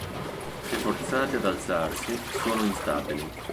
Se forzati ad alzarsi, sono instabili.